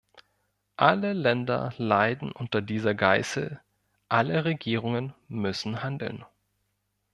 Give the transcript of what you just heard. Alle Länder leiden unter dieser Geißel, alle Regierungen müssen handeln.